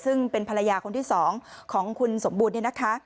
ซึ่งเป็นภรรยาคนที่๒ของคุณสมบูรณ์